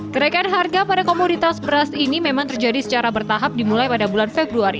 kenaikan harga pada komoditas beras ini memang terjadi secara bertahap dimulai pada bulan februari